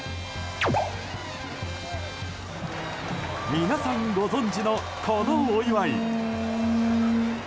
皆さんご存じの、このお祝い。